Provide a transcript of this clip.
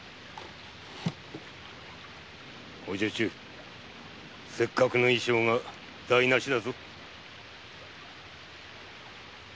お女中せっかくの衣装が台なしだぞ。